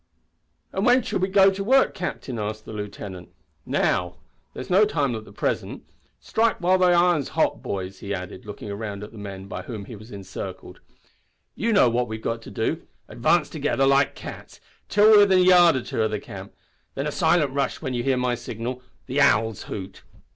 "And when shall we go to work, captain!" asked the lieutenant. "Now. There's no time like the present. Strike when the iron's hot, boys!" he added, looking round at the men by whom he was encircled. "You know what we've got to do. Advance together, like cats, till we're within a yard or two of the camp, then a silent rush when you hear my signal, the owl's hoot.